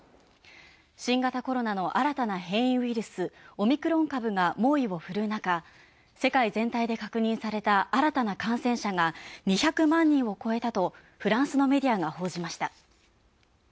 新型コロナの新たな変異ウイルスオミクロン株が猛威を振るう中、世界全体で確認された新たな感染者が２００万人を超えたとフランスのメディアが報じました。